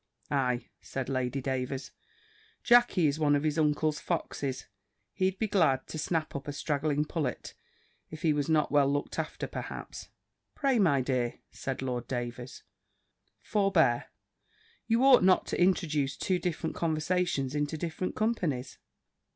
"Ay," said Lady Davers, "Jackey is one of his uncle's foxes: he'd be glad to snap up a straggling pullet, if he was not well looked after, perhaps." "Pray, my dear," said Lord Davers, "forbear: you ought not to introduce two different conversations into different companies."